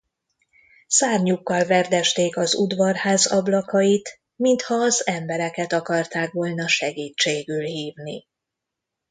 Szárnyukkal verdesték az udvarház ablakait, mintha az embereket akarták volna segítségül hívni.